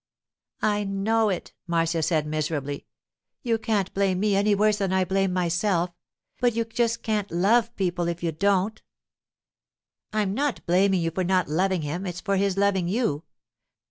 'I know it,' Marcia said miserably; 'you can't blame me any worse than I blame myself. But you just can't love people if you don't.' 'I'm not blaming you for not loving him; it's for his loving you.